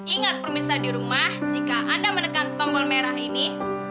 ingat pemirsa di rumah jika anda menekan tombol merah ini